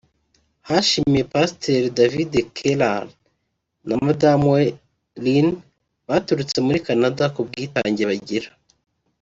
Hashimiwe Pastor David Kehler na madamu we Lynn baturutse muri Canada ku bwitange bagira